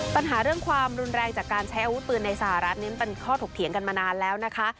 ปัญหาเรื่องความรุนแรงจากการใช้อาวุธปืนในสหรัฐนี้เป็นข้อถกเถียงกันมานานแล้วนะคะ